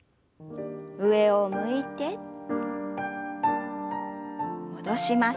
上を向いて戻します。